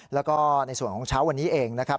แล้วก็ในส่วนของเช้าวันนี้เองนะครับ